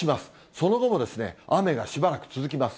その後も、雨がしばらく続きます。